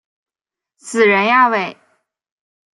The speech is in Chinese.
死人呀喂！